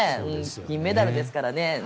金メダルですからね。